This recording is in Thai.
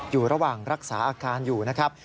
อยู่ระหว่างรักษาอาการอยู่นะครับ